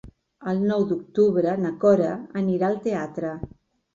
El nou d'octubre na Cora anirà al teatre.